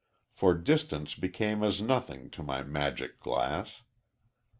For distance became as nothing to my magic glass.